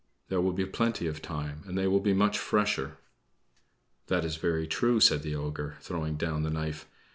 There will be plenty of time, and they will be much fresher." "That is very true," said the ogre, throwing down the knife.